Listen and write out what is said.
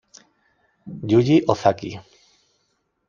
Yuji Ozaki